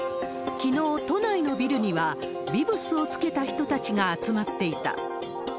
きのう、都内のビルにはビブスをつけた人たちが集まっていた。